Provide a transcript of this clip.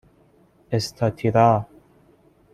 اِستاتیرا